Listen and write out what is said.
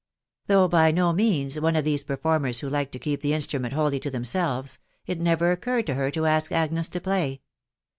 7 Thowgh by n# Means one of thorn perftraisrs who tike to keep the jurtniment wheHy to themselves, it never occurod to her to ask Agnes to play.